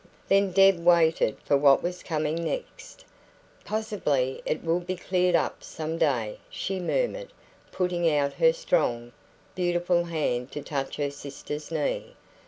Then Deb waited for what was coming next. "Possibly it will be cleared up some day," she murmured, putting out her strong, beautiful hand to touch her sister's knee.